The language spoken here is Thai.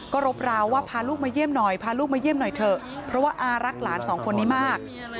ก็รบราวว่าพาลูกมาเยี่ยมหน่อยเพราะว่าอารักหลาน๒คนนี้มาก